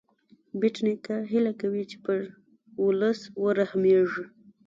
بېټ نیکه هیله کوي چې پر ولس ورحمېږې.